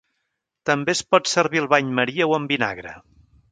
També es pot servir al bany maria o en vinagre.